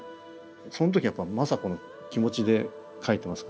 その時政子の気持ちで書いてますから。